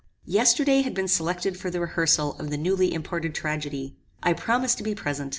"Yesterday had been selected for the rehearsal of the newly imported tragedy. I promised to be present.